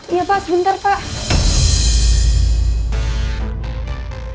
iya pak sebentar pak